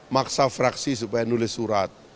maksa fraksi supaya nulis surat